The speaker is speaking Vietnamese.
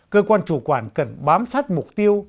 cơ quan chủ quản cần bám sát mục tiêu